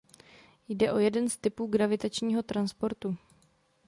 Jde o jeden z typů gravitačního transportu.